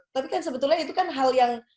tapi kan sebetulnya itu kan hal yang